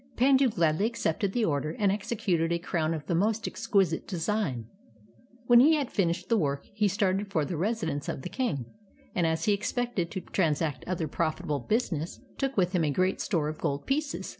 Pandu gladly accepted the order and executed a crown of the most exquisite design. WTien he had finished the work, he started for the residence of the king, and as he expected to transact other profitable business, took with him a great store of gold pieces.